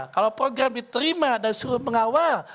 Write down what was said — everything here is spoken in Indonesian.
kalau program diterima dan disuruh pengawal